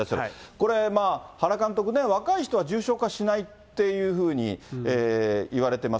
これ、原監督ね、若い人は重症化しないっていうふうにいわれてます。